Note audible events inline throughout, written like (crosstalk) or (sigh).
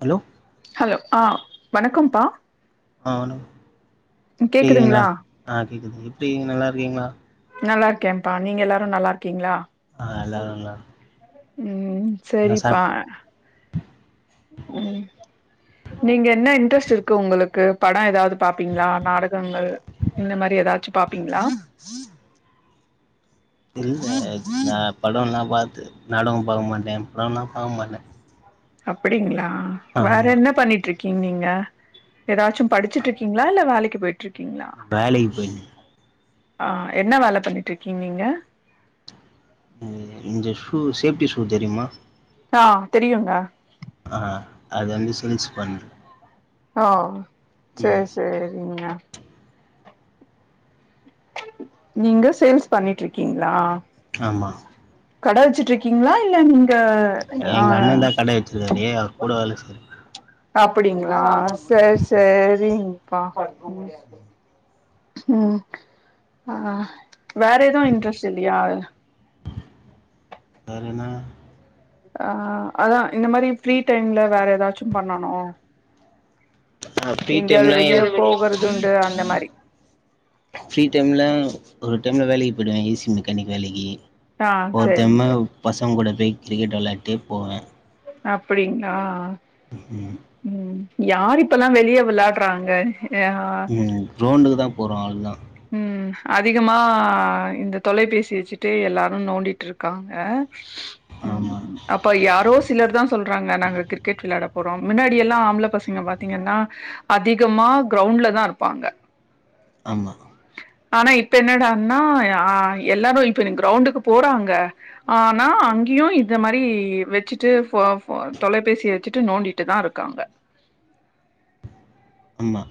Hello hello ஆ வணக்கம்ப்பா ஆ் (unintelligible) டிவில கேக்குதுங்களா ஆ கேக்குது எப்டிகிங்க நல்லாருக்கீங்களா கேப்பா நீங்க எல்லாரு நல்லார்க்கீங்களா அ எல்லாரு நல்லா ம் ம் நா செரிப்பா சாப் ம் நீங்க என்ன இன்ட்ரெஸ்ட் இருக்கு உங்குளுக்கு படொ எதாது பாப்பீங்ளா நாடகங்கள் இந்த மாரி எதாச்சு பாப்பீங்ளா இல்ல நா படொலா பாத் நடகொ பாக்க மாட்டே படொல்லா பாக்க மாட்டே அப்டிங்களா வேற ஆமா என்ன பண்ணிட்ருக் கிங் நீங்க எதாச்சு படிச்சிட்ருக்கீங்ளா இல்ல வேலைக் (unintelligible) வேலைக்கு போயி ஆ என்ன வேல பண்ணிட்ருக்கீங் நீங்க இந்த ஷூ சேஃப்டி ஷூ தெரிமா ஆ தெரியுங்க ஆ அத ந்து செல்ஸ் பண் ஓ சேர் சேரிங்க நீங்க சேல்ஸ் பண்ணிட்ருக்கீங்ளா ஆமா கட வெச்சிட்ருக்கீங்ளா இல்ல நீங்க ஆ எங்க அண்ணந்தா கட வெச்சிருக்காரு அவர் கூட வேல செய்ற அப்டிங்களா செரி செரிங்ப்பா ம் ஆ வேற எதுவு இன்ட்ரெஸ்ட் இல்லியா வேறனா ஆ அதா இந்த மாரி ஃப்ரீ டைம்ல வேற எதாச்சு பண்ணணு ஆ ஃப்ரீ எங்கேயாவது டைம்ல வெளிய (inaudible) போகறதுண்டு அந்த மாரி ஃப்ரீ டைம்ல ஒரு டைம்ல வேலைக்கி போய்டுவே ஏ சி மெக்கானிக் வேலைக்கி ஆ ஒரு சரிங் டைமு பச ங்கூட பேய் க்ரிக்கெட் வெளாட்டே போவே அப்டிங்ளா (inaudible) யார் இப்பல்லா வெளிய வெள்ளாட்றாங்க ம் க்ரௌண்டுக்குதா போறோ ஆல் தா ம் அதிகமா இந்த தொலைபேசி வச்சுட்டு எல்லாரு நோண்டிட்ருக்காங்க ம் ஆமா அப்ப யாரோ சிலர்தா சொல்றாங்க நாங்க கிரிக்கெட் வில்லாட போறோ மின்னாடி எல்லா ஆம்ள பசங்க பாத்தீங்கன்னா அதிகமா க்ரௌண்ட்லதாருப்பாங்க ஆமா ஆனா இப்ப என்னடான்னா அ எல்லாரு இப்ப கிரௌண்டுக்கு போறாங்க ஆனா அங்கியு இத மாரி வச்சுட்டு ஃபோ ஃபோ தொலைபேசி வச்சுட்டு நோண்டிட்தாருக்காங்க ஆமா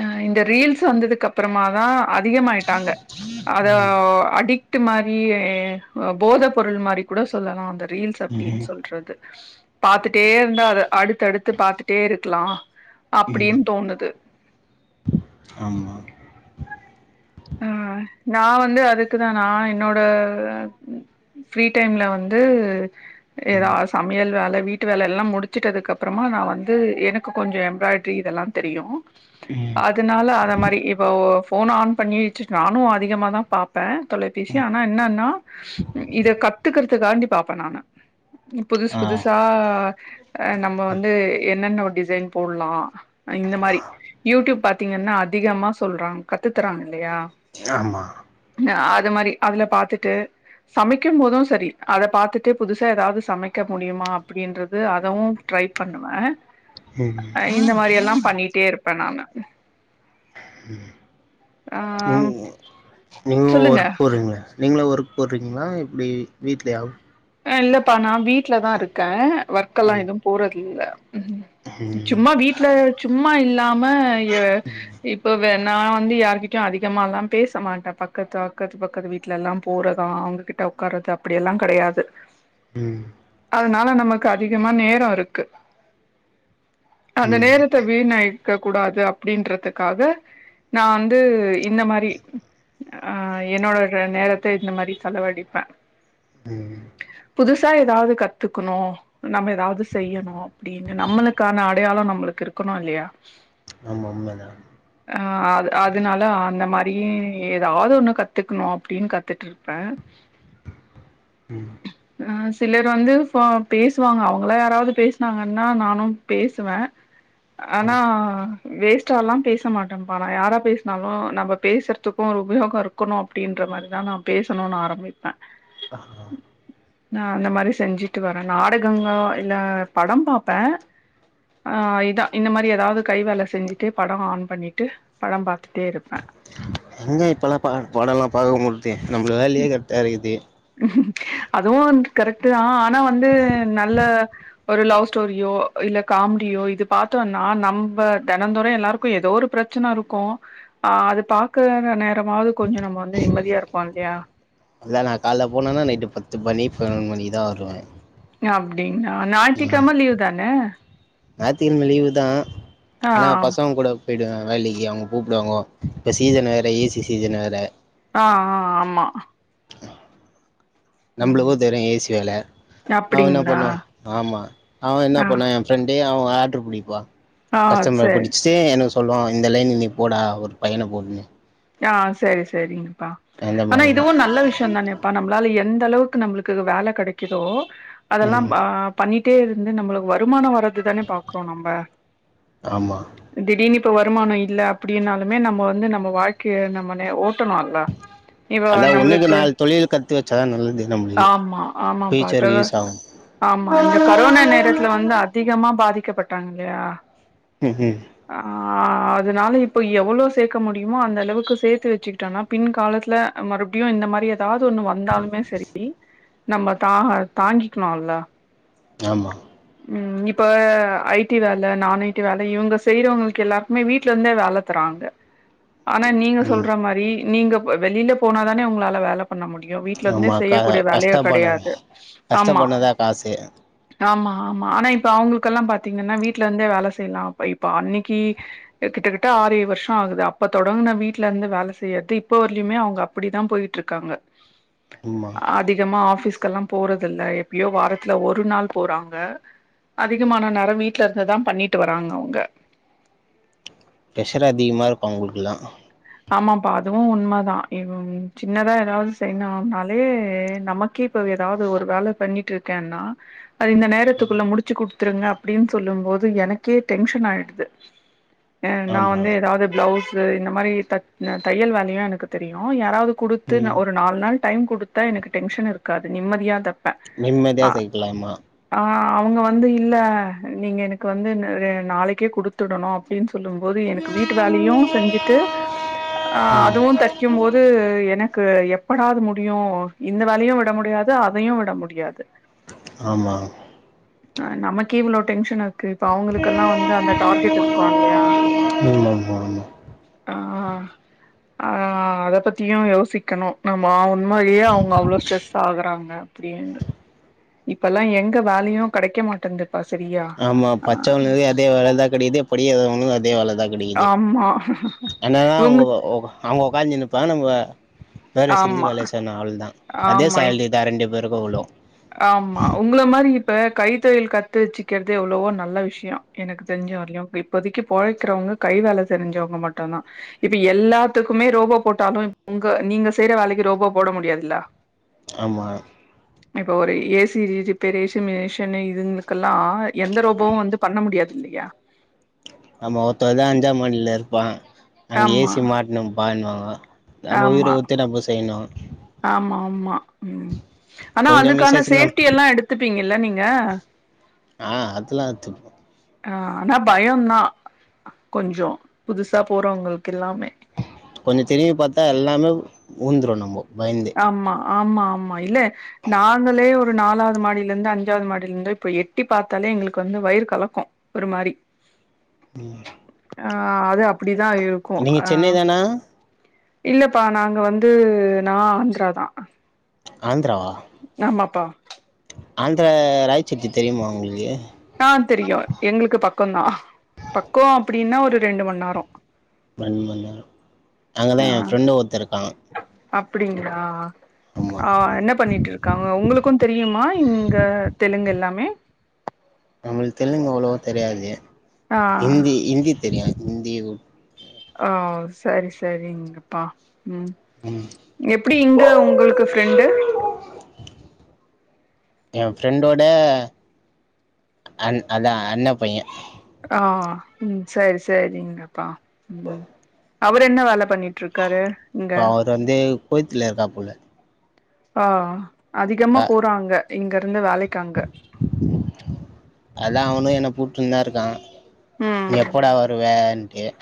அ இந்த ரீல்ஸ் வந்ததுக்கு அப்றமாதா அதிகமாயிட்டாங்க அத ம் அடிக் ட்டு மாரி அ போத பொருள் மாரி கூட சொல்லலா அத ரீல்ஸ் ம் அப்டின்னு சொல்றது பாத்துட்டே இருந்தா அத அடுத்தடுத்து பாத்துட்டே இருக்கலா ம் அப்டினு தோணுது ஆமா ஆ நா வந்து அதுக்குதா நா என்னோட ஃப்ரீ டைம்ல வந்து ம் ஏதாது சமையல் வேல வீட் ட்டு வேலைலா முடிச்சிட்டதுக்கு அப்றமா நா வந்து எனக்கு கொஞ்ச எம்ப்ராய்டரி இதெல்லா தெரியு அதுனால அத மாறி இப்போ ஃபோன ஆன் பண்ணி வச்சுட்டு நானு அதிகமாதா பாப்பே தொலைபேசி ஆனா என்னன்னா ம் இத கத்துக்குறதுக்காண்டி பாப்பே நானு புதுசு ஆ புதுசா அ நம்ம வந்து என்னென்ன ஒரு டிசைன் போட்லா இந்த மாரி யூடியூப் பாத்தீங்கன்னா அதிகமா சொல்றாங்க கத்து த்துறாங்க இல்லையா ஆமா அ அது மாரி அதுல பாத்துட்டு சமைக்கும் போதும் சரி அத பாத்துட்டு புதுசா ஏதாது சமைக்க முடியுமா அப்டின்றது அதவும் ட்ரை பண்ணுவே ம் அ இந்த மாரி ல்லா பண்ணிட்டே இருப்பே நானு ஆ ம் வர்க் போறீங்க நீங்களா வர்க் போட்றீங்களா எப்டி வீட்ல யா அ இல்லப்பா நா வீட்லதா இருக்கே வர்க்கல்லா எதுவும் போறது இல்ல சும்மா வீட்ல சும்மா இல்லா ம ய இப்ப வே நா வந்து யாருகிட்டயு அதிகமால்லா பேசமாட்டே பக்கத்து அக்கத்து பக்கத்து வீட்லல்லா போறதா அவங்ககிட்ட உக்காறது அப்டியெல்லா கடையாது ம் அதனால நமக்கு அதிகமா நேரோ இருக்கு அந்த நேரத்த வீணாய் க்க கூடாது அப்புடின்றதுக்காக நா வந்து இந்த மாரி ஆ என்னோட ர நேரத்த இந்த மாரி செலவழிப்ப ம் புதுசா ஏதாவது கத்துக்குணோ நம்ப ஏதாவது செய்யணும் அப்புடின்னு நம்மளுக்கான அடையாளோ நம்மளுக்கு இருக்கணோ இல்லையா ஆமா உண்மதா அ அது அதனால அந்த மாரியும் ஏதாவது ஒண்ணு கத்துக்குணு அப்புடின்னு கத்துட்ருப்பே ம் ம் சிலர் வந்து ஃபே பேசுவாங்க அவங்களா யாராவது பேசுனாங்கன்னா நானும் பேசுவே ஆனா ம் வேஸ்ட்டாலல்லா பேச மாட்டேன்ப்பா நா யாரா பேசுனாலும் நம்ப பேசுறதுக்கும் ஒரு உபயோகம் இருக்கணும் அப்டின்ற மாரிதா நா பேசணுன்னு ஆரம்பிப்பே நா அந்த மாரி செஞ்சுட்டு வரே நாடகங்க இல்ல படம் பாப்பேன் ஆ இதா இந்த மாரி ஏதாவது கை வேல செஞ்சுட்டே படோ ஆன் பண்ணிட்டு படம் பா எங்க இப்பல்லா பா பாடோல்லா பாக்க முர் தே நம்மளுக்கு வேலையே கரெக்டா இருக்குது அதுவும் கரெக்ட் தான் ஆனா வந்து நல்ல ஒரு லவ் ஸ்டோரியோ இல்ல காம்டியோ இது பாத்தோன்னா நம்ப தெனம் தோறம் எல்லாருக்கும் ஏதோ ஒரு பிரச்சன இருக்கும் ஆ அது பாக்குற நேரமாவது கொஞ்சம் நம்ம வந்து நிம்மதியா இருப்போம் இல்லையா போனன்னா நைட்டு பத்து மணி பதினோறு மணிக்குதா வருவ அப்டி ஞா ஞாயித்து கெழம லீவ் தான ஞாயித்து கெழம லீவு தா ஆ ஆனா பசங்க கூட பேய்டுவ வேலைக்கு அவங்க கூப்பிடுவாங்க இப்போ சீசன் வேற ஏசி சீசன் வேற ஆ ஆ ஆமா நம்பளுக்கு ம் தெரியு ஏசி வேல அவ என்ன அப்டிங்களா பண்ணுவா ஆமா அவன் என்ன ஆ பண்ணுவா என் ஃப்ரண்டு அவ ஆர்டரு புடிப்பா ஆ கஷ்டமர சேரி புடிச்சிட்டு எனக்கு சொல்லுவா இந்த லைன் நீ போடா ஒரு பையன கூட்ன்னு ஆ சரி சரிங்க அந்த ஆனா மாதிரி இதுவு தான் நல்ல விஷயம் தானேப்பா நம்மளால எந்த அளவுக் கு நம்ளுக்கு வேல கெடைக்குதோ அதெல்லா ம் ஆ பண்ணிட் ட்டே இருந்து நம்மளுக்கு வருமானம் வர்றதுதானே பாக்குறோ நம்ப ஆமா ப வருமானம் இல்ல அப்டின்னாலுமே நம்ம வந்து நம்ம வாழ்க் க்கைய நம்ப ஓட் ட்டனு இல்ல இப்ப அதான் ஒன்றுக்கு நம்ளுக்கு நாலு தொழில் கற்று வச்சா தான் நல்லது நம்மளுக்கு ஆமா ஆமாப்பா ஃப்யூச்சருக்கு இப்ப யூஸ் ஆகும் ஆமா இந்த கரோனா நேரத்துல வந்து அதிகமா பாதிக் க்க பட்டாங்க இல்லையா உஹ்ம் ஆ அதனால இப்ப எவ்வளோ சேக்க முடியுமோ அந்த அளவுக்கு சேத்து வச்சிக்கிட்டோனா பின் காலத்துல மறுபடியு இந்த மாரி ஏதாவது ஒண்ணு வந்தாலுமே சேரி நம்ம தா தாங்கிக்கணு இல்ல ஆமா ம் இப்ப ஐடி வேல நான்ஐடி வேலை இவங்க செய்யறவங்களுக்கு எல்லாருக்குமே வீட்ல இருந்தே வேலை தராங்க ஆனா நீங்க ம் சொல்ற மாரி நீங்க வெளில போனா தானே உங்களால வேல பண்ண முடியு வீட்ல இருந்தே ஆமாம் க செய்யக்கூடிய வேலையும் கஷ்டப்பட கிடையாது ஆமா கஷ்டப்பட்டா தான் காசு ஆமா ஆமா ஆனா இப்ப அவங்களுக்கெல்லா பாத்தீங்கன்னா வீட்ல இருந்தே வேல செய்யலா அப்ப இப்ப அண்ணிக்கி கிட்டகிட்ட ஆரேழு வருஷோ ஆகுது அப்ப தொடங்குன வீட்ல இருந்து வேல செய்யறது இப்ப வரலியுமே அவங்க அப்டிதா போயிட்டு இருக்காங்க. ஆமாம் அதிகமா ஆபீஸ் க்கல்லா போறதில்ல எப்பயோ வாரத்துல ஒரு நாள் போறாங் க அதிகமான நேரம் வீட்ல இருந்துதா பண்ணிட்டு வராங்க அவங்க பிரஷர் அதிகமா இருக்கூ அவங்களுக்குல்லா ஆமாப்பா அதுவு உண்ம தா எதும் சின்னதா ஏதாவது செய்னும்னாலே நமக்கே இப்ப ஏதாவது ஒரு வேல பண்ணிட்டு இருக்கேன்னா அது இந்த நேரத்துக்குள்ள முடிச்சு குடுத் த்துருங்க அப்பிடின்னு சொல்லும் போது எனக்கே டென்ஷன் ஆயிடுது ஏ நான் ஆமா வந்து எதாவது ப்ளவுஸ் இது இந்த மாரி தட் ந தையல் வேலையும் எனக்கு தெரியும் யாராவது குடுத்து ந ம் ஒருநால் நாள் டைம் குடுத்தா எனக்கு டென்ஷன் இருக்காது நிம்மதியா தப் நிம்மதியா தெக்கலாம்மா அவுங்க வந்து இல்ல நீங்க எனக்கு வந்து அ நாளைக்கே கு டுத்துடணும் அப்பிடின்னு சொல்லும் போது எனக்கு வீட்டு வேலையும் செஞ்சுட்டு. ஆ ம் அதுவும் தெக்கும் போது எனக் க்கு எப்படா அது முடியும் இந்த வேலையும் விட முடியாது அதையும் விட முடியாது ஆமா ஆ நமக்கே இவ்ளோ டென்ஷன் ஆ இப்ப அவங்களுக்கெல்லா வந்து அந்த டார்கெட் இருக்கும் இல்லையா ம் ஆமா ஆமா ஆ ஆ ஆ அத பத்தியும் யோசிக்கணும் நம்ம சும்மாவே அவங்க அவ்வளோ ஸ்ட்ரெஸ் ஆகுறாங் க அப்படின் இப்பல்லா எங்க வேலையும் கிடைக்க மாட்டந்து ஆமா பச்ச உளது அதே வேலதா கடிது பொடி வியாபாரமும் அதே வேல ஆமா உங்க அவங்க அவங்க உடக்காந்தினுப்பாங்க நம்ப வேர்வ சிந்தி ஆமா வேல செய்னும் ஆவ்ளோதா அதே ஆமா இப் சால்ரி தா ரெண்டு பேர் எப்போ விழு ஆமா உங்கள மாதிரி இப்ப கை தொழில் கத்து வச்சுக்கிறதுே எவ்வளவோ நல்ல விஷயம் எனக்கு தெஞ்ச வர்லயும் இப்போதைக்கு பொழைக்கிறவங்க கை வேல தெரிஞ்சவங்க மட்டும்தா இப்ப எல்லாத்துக்குமே ரோபோ போட்டாலும் உங்க நீங்க செய்யற வேலைக்கு ரோபோ போட முடியாதுல்ல ஆமா இப்போ ஒரு ஏ சி ரிப்பேர் மிஷன் இதுங்கக்கெல்லாம் நா எந்த ரோபும் வந்து பண்ண முடியாது இல்லையா ஆமா ஒருத்தவதா அஞ்சா மாடில ப்பா அங்க ஆமா ஏசி மாட்டினம்ப்பானுவாங்க ப ஆமா ஆமா ஆமா ம் ஆனா கொஞ்சோ மிஸ் அதுக்கான ஆச்சுனா சேஃப்டி எல்லா எடுத்துப்பீங்க ல நீங்க ஆ அதுல்லா எத்துப்போ ஆ ஆனா பயோ தா கொஞ்சோ புதுசா போறவங்களுக்கு எல்லாமே கொஞ்சோ திரும்பி பாத்தா எல்லாமே உந்துரு நம்போ பயந்தே ஆமா ஆமா ஆமா இல்ல நாங்களே ஒரு நாலாவது மாடிலருந்து அஞ்சாவது மாடியிலருந்து இப்ப எட்டி பாத்தாலே எங்களுக்கு வந்து வயிறு கலக்கு ஒரு மாரி ம் ஆ அது அப்பிடி நீங்க சென்னை தானா இல்லப்பா நாங்க வந்து நா ஆந்தரா தா ஆந்துரா ஆ ஆமாப்பா ஆந்துரா ராய்சட்டி தெரியுமா உங்களுக்கு பக்கோதா பக்கோ அப்பிடின்னா ஒரு ரெண்டு மணி நேரோ ரண்டு மணி நேரோ அங்கதா ஏ ஃப்ரெண்டு ஒருத்தருக்கா அப்பிடிங்களா ஆ என்ன பண்ணிட்டு இருக்காங்க உங்களுக்கு தெரியுமா இங்க தெலுங்கு எல்லாம் மே நம்மளுக்கு தெலுங்கு அவ்ளோவா தெரியாது ஆ ஹிந்தி ஹிந்தி தெரியாது இந்தி அ செரி செரிங்கப்பா ம் ம் எப்பிடி இங்க உங்களுக்கு ஃப்ரெண்ட்டு ஏ ஃப்ரெண்டோட அன் அதா அண்ண பையே ஆ ம் செரி செரிங்கப்பா ம் அவரு என்ன வேல பண்ணிட்டு இருக்காரு இங்க இப்ப அவரு வந்து கொய்த்துல இருக்காப்புல ஆ அதிகமா போறாங்க இங்க ருந்து வேலைக்கு அங்க கூட்னுதா இருக்கா ம் எப்படா வருவ எ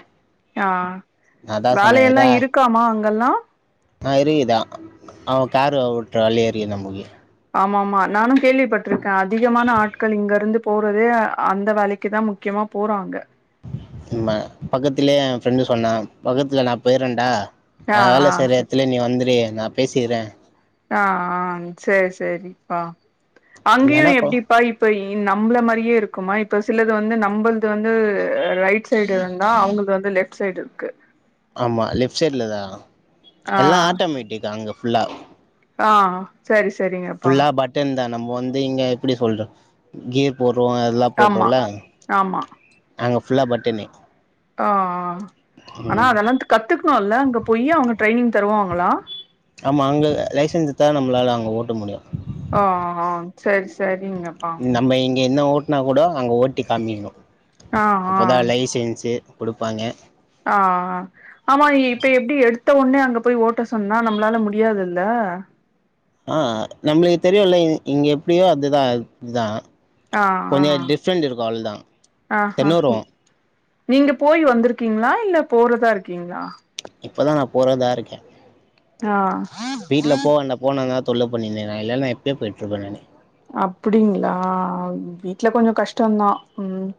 ஆ வேலையேல்லா இருக்காமா அங்கெல்லா அ இருக்கிதா அங்க கார் ஓட்டர வேலையே இருக்கு நமுக்கு ஆமா ஆமா நானு கேள்விப்பட்டுருக்கே அதிகமான ஆட்கள் இங்கருந்து போறதே அ அந்த வேலைக்கி தா முக்கியமா போறாங்க ப பக்கத்திலே ஏ ஃப்ரெண்ட்டு சொன்னா பக்கத்துல நா பெயறேன்டா ஆ நா ஆ வேல செய்ற சரி எடத்துலயே நீ வந்துரு நா பேசிர்றே ஆ ஆ செரி செரி பா அங்கயு என்னன்னா கோ எப்டிப்பா இப்ப இ நம்மள மாரியே இருக்குமா இப்ப சிலது வந்து நம்பள்து வந்து ரைட் சைடு இருந்தா அவுங்கள்து வந்து லெப்ட் சைடு இருக்கு ஆமா லெப்ட் சைட்லதா ஆ எல்லா ஆட்டோ மேட்டிகா அங்க ஃபுல்லா ஆ சரி ச ஃபுல்லா பட்டன் தா நம்ம வந்து இங்க எப்டி சொல்ற கீ போ க அதல்லா ஆமா போட்டோல்ல ஆமா அங்கப் ஃபுல்லா பட்டனு ஆ ஆனா ம் அதல்லா கத்துக்கணும்ல்ல அங்க போயி அவுங்க ட்ரைனிங் தருவாங்க ங்களா ஆமா அங்க லைசன்ஸ் இத்தாதா நம்மளால அங்க ஓட்ட முடியு ஆ ஹ செரி ச ங்கப்பா ங்க என்ன ஓட்டனா கூட அங்க ஓட்டி காமிக்கணு ஆ அப்பதா ஆ லைசென்சு குடுப்பாங்க ஆ ஆ ஆமா இப்ப எப்டி எடுத்த ஒடனே அங்க போய் ஓட்ட சொன்னா நம்மளால முடியாதுல்ல ஆ நம்மளுக் தெரியுல்ல இங் இங்க எப்டியோ அதுதா இதுதா ஆ ஆ கொஞ்சொ டிஃப்ரெண்ட் இருக்கூ அவ்ளோதா தெனொரு நீங்கப் போய் வந்துருக்கீங்ளா இல்ல போறதா இருக்கீங்ளா இப்பதா நா போறதா இருக்கே ஆ வீட்ல போ வேண்டா போனாங்க தொல்லப் பன்னினேருக்காங்க இல்லேனா எப்பயோ போயிட்டுருப்பே நானு ந்தா ம்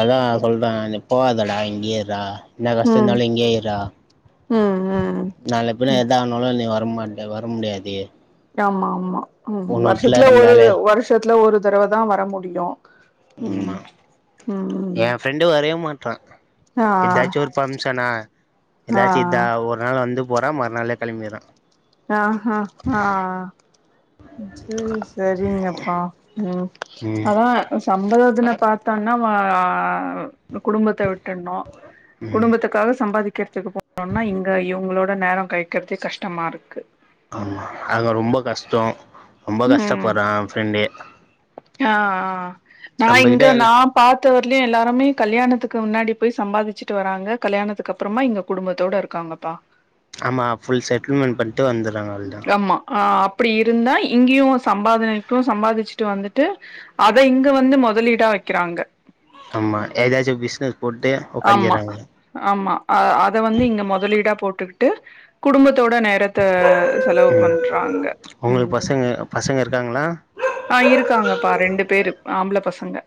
அதா சொல்றே நீ போவாதடா இங்கெயே இர்றா இன்ன ம் கஷ்டயிந்தாலு இங்கியேயிர்றா ம் ம் நால பின்ன ம் எதானாலு நீ வர் வரம்மாட்ட வர முடியாது ஆமா ஆம்மா ம் உன்ன வுட்ல வர்ஷத்ல ஒரு நம்ளால வருஷத்துல ஒரு ந்தரவ தா வர முடியு உம் ம் மா ம் ம் ஏ ஃப்ரெண்டு வரையே மாட் ரா ஆ எதாச்சு ஒரு ஃபங்ஷனா ஆ எதாச்சித் இந்தா ஒர் நாள் வந்து போறா மறுநால்ளே கெலம்மிர்றா ஆ அ ஆ சேரி சரிங்கப்பா உம் ம் அதா சம்பேத் துன பாத்தோன்னா ஆ குடும்பத்த விட்டுன்ணு குடும்பத்துக்காக சம்பாதிக் கிறதுக்கு போனோம்னா இங்க இவுங்ளோட நேரொ கழிக்கற்ததுக்கு கஷ்டமாருக் க் ஆமா அங்க ரொம்போ கஷ்டோ ரொம்போ ம் கஷ்டப்பர்றா ஃப்ரெண்டு ஆ ஆ நா இங்க நம்மகிட்ட இல்ல நா பாத்த வர் க்கிலெ எல்லாருமே கல்யாணத்துக்கு முன்னாடி பொய் சம்பாதிச்சிட்டு வராங்க கல்யாணத்துக்கு அப்பறமா இங்க குடும்பத்தோட இருக்காங்கப்பா ஆமா ஃபுல் செட்ல்மெண்ட் பண்ட்டு வந்துறாங்க அவுல்தா ருந்தாய் இங்கியூ சம்பாதினேக்கு சம்பாதிச்ட்டு வந்துட்டு அத இங்க வந்து முதலீடா வைக்கிறாங்க ஆமா ஏதாச்சு பிஸ்னஸ் போட்டு ஆமா உக்காஞ்சிட்றாங்க ஆமா அ அத வந்து இங்க முதலீடா போட் டு குடும்பத் தோட நேரத்த செலவு ம் பண்றாங்க உங்களுக்கு உம் பசங்க பசங்க இருக்காங்களா ஆ இருக்காங்கப்பா ரெண்டு பேரு ஆம்பள பசங்க